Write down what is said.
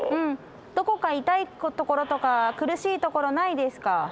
どこか痛いところとか苦しいところないですか？